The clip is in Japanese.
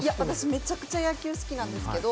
めちゃくちゃ好きなんですよ。